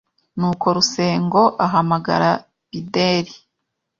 nuko Rusengo ahamagara Bideri